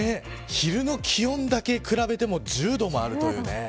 昼の気温だけ比べても１０度もあるという。